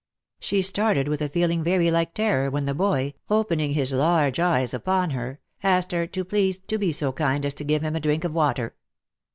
She started with a feeling very like terror, when the boy, opening OF MICHAEL ARMSTRONG. 279 his large eyes upon her, asked her to please to be so kind as to give him a drink of water.